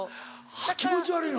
気持ち悪いの。